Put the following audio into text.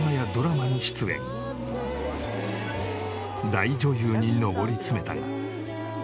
大女優に上り詰めたが。